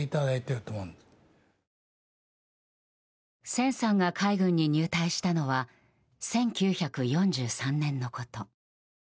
千さんが海軍に入隊したのは１９４３年のこと。